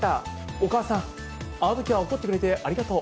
お母さん、あのときは怒ってくれてありがとう。